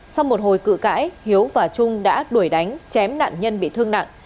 sau một hồi cự cãi hiếu và trung đã đuổi đánh chém nạn nhân bị thương nặng